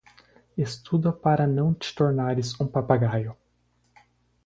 Estuda para não te tornares um papagaio.